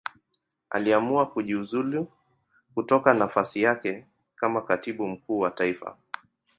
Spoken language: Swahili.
Aliamua kujiuzulu kutoka nafasi yake kama Katibu Mkuu wa Taifa.